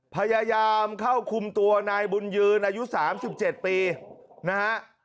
พยายามเข้าคุมตัวนายบุญยืนอายุ๓๗ปีนะฮะ